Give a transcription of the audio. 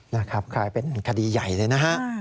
นะครับกลายเป็นคดีใหญ่เลยนะฮะ